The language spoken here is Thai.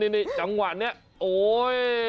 นี่จังหวะนี้โอ๊ย